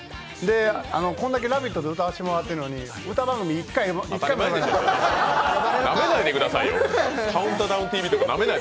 こんだけ「ラヴィット！」で歌わせてもらってるのに歌番組１回も呼ばれない。